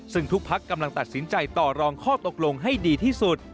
ซึ่งทุกพักกำลังตัดสินใจต่อรองข้อตกลงให้ดีที่สุด